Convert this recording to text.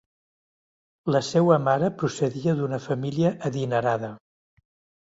La seua mare procedia d’una família adinerada.